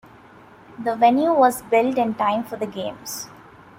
The venue was built in time for the Games.